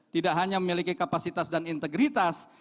tidak hanya memiliki kapasitas dan integritas